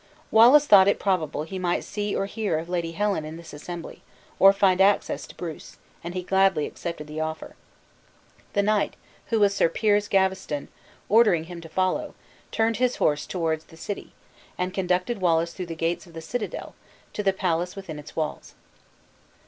Wallace thought it probable he might see or hear of Lady Helen in this assembly, or find access to Bruce, and he gladly accepted the offer. The knight, who was Sir Piers Gaveston, ordering him to follow, turned his horse toward the city, and conducted Wallace through the gates of the citadel, to the palace within its walls.